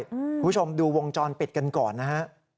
คุณผู้ชมดูวงจรปิดกันก่อนนะฮะ